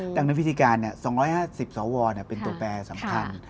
ดังนั้นวิธีการ๒๕๐สวเป็นตัวแปรสำคัญ